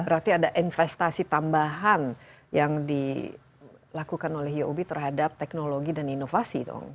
jadi ada investasi tambahan yang dilakukan oleh uob terhadap teknologi dan inovasi dong